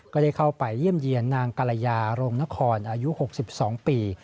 ก็ได้เข้าไปเยี่ยมเยี่ยนนางกรยาโรงนครอายุ๖๒ปี